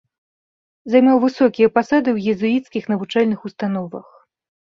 Займаў высокія пасады ў езуіцкіх навучальных установах.